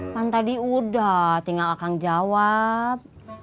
kan tadi udah tinggal akang jawab